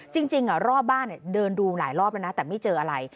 จริงรอบบ้านเดินดูหลายรอบแล้วนะแต่ไม่เจออะไร